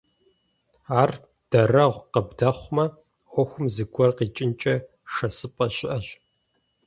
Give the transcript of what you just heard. Ар дарэгъу къыбдэхъумэ, Ӏуэхум зыгуэр къикӀынкӀэ шэсыпӀэ щыӀэщ.